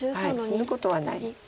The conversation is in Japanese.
死ぬことはない。